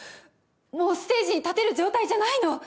もうステージに立てる状態じゃないの。